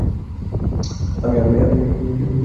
আমি ফিরতে চাই।